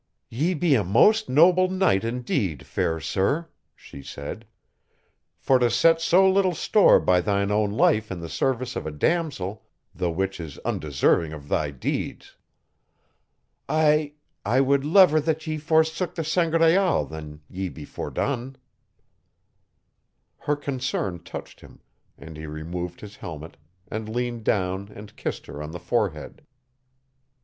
"Ye be a most noble knight indeed, fair sir," she said, "for to set so little store by thine own life in the service of a damosel the which is undeserving of thy deeds. I ... I would lever that ye forsook the Sangraal than that ye be fordone." Her concern touched him, and he removed his helmet and leaned down and kissed her on the forehead.